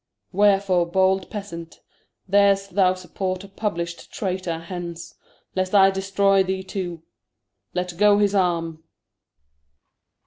Wherefore bold Peasant, Dar'st thou support a publisht Traytor ? Hence, Lest I destroy thee too. Let go his Arm.